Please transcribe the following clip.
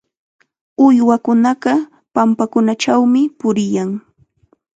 Uywakunaqa pampakunachawmi puriyan.